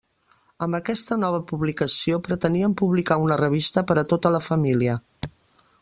Amb aquesta nova publicació pretenien publicar una revista per a tota la família.